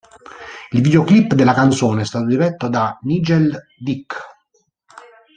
Il videoclip della canzone è stato diretto da Nigel Dick.